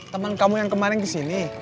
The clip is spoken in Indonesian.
teman kamu yang kemarin kesini